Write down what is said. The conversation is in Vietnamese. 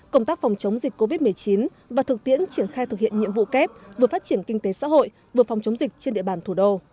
công tác phòng chống dịch covid một mươi chín và thực tiễn triển khai thực hiện nhiệm vụ kép vừa phát triển kinh tế xã hội vừa phòng chống dịch trên địa bàn thủ đô